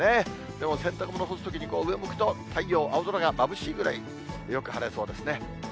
でも洗濯物干すときに、上向くと、太陽、青空がまぶしいくらい、よく晴れそうですね。